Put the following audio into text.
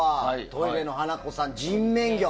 トイレの花子さん、人面魚。